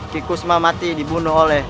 kikusma mati dibunuh oleh